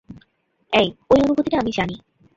এই, ওই অনুভূতিটা আমি জানি।